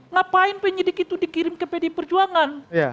ngapain penyidik itu dikirim ke pdi perjuangan